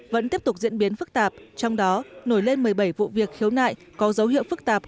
vẫn tiếp tục diễn biến phức tạp trong đó nổi lên một mươi bảy vụ việc khiếu nại có dấu hiệu phức tạp